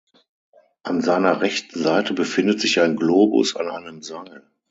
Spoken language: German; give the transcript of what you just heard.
An seiner rechten Seite befindet sich ein Globus an einem Seil.